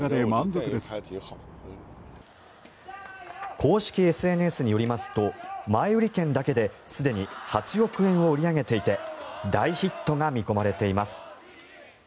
公式ＳＮＳによりますと前売り券だけですでに８億円を売り上げていて大ヒットが見込まれています。